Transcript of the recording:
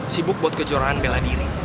sibuk buat kejuaraan bela diri